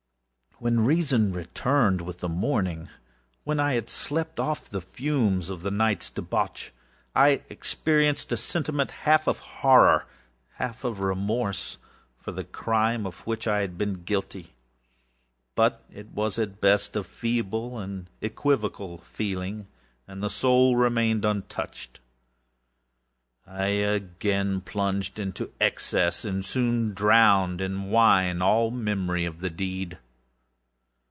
When reason returned with the morningâwhen I had slept off the fumes of the nightâs debauchâI experienced a sentiment half of horror, half of remorse, for the crime of which I had been guilty; but it was, at best, a feeble and equivocal feeling, and the soul remained untouched. I again plunged into excess, and soon drowned in wine all memory of the deed.